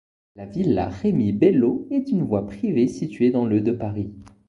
La villa Rémi-Belleau est une voie privée située dans le de Paris.